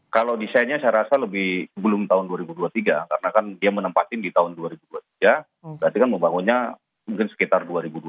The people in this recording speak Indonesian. kalau desainnya saya rasa lebih sebelum tahun dua ribu dua puluh tiga karena kan dia menempatin di tahun dua ribu dua puluh tiga berarti kan membangunnya mungkin sekitar dua ribu dua puluh